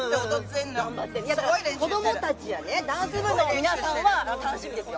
子どもたちやね、ダンス部の皆さんは楽しみですよ。